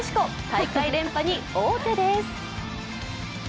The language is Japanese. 大会連覇に王手です。